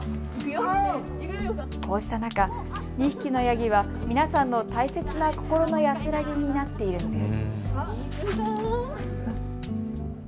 こうした中、２匹のヤギは皆さんの大切な心の安らぎになっているんです。